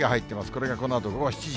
これがこのあと午後７時。